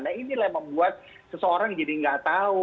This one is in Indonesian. nah ini memang membuat seseorang jadi tidak tahu